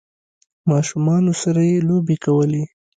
ماشومانو سره یی لوبې کولې